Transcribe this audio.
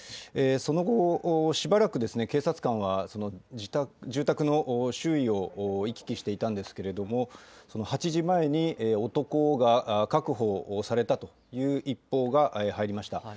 その後、しばらく警察官は住宅の周囲を行き来していたんですけれども、８時前に男が確保されたという一報が入りました。